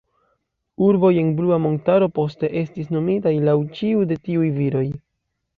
Urboj en Blua Montaro poste estis nomitaj laŭ ĉiu de tiuj viroj.